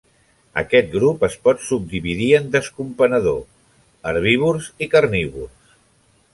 Aquest grup es pot subdividir en descomponedor, herbívors i carnívors.